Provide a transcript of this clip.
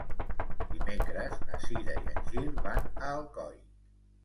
Dimecres na Cira i en Gil van a Alcoi.